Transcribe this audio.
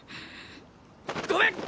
ごめん！